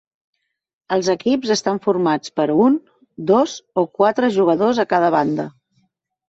Els equips estan formats per un, dos o quatre jugadors a cada banda.